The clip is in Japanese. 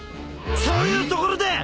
そういうところだ！